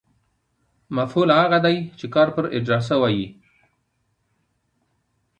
مفعول هغه دئ، چي کار پر اجراء سوی يي.